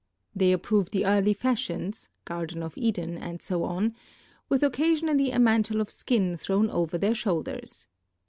They approve the early fasiiinns ((ianlen of Kden, and so on), with occasionally a mantle of skin thrown over their Hhonlders.